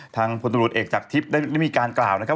ทางพลตรวจเอกจากทิพย์ได้มีการกล่าวนะครับ